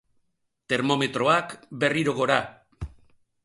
Termometroak, berriro gora.